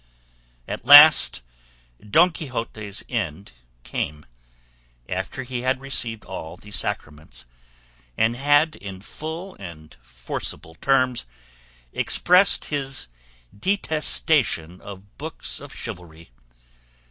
At last Don Quixote's end came, after he had received all the sacraments, and had in full and forcible terms expressed his detestation of books of chivalry.